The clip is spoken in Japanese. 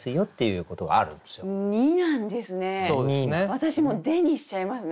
私も「で」にしちゃいますね